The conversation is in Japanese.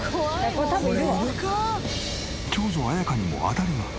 長女綾香にも当たりが。